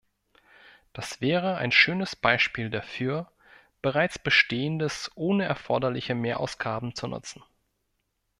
Das wäre ein schönes Beispiel dafür, bereits Bestehendes ohne erforderliche Mehrausgaben zu nutzen.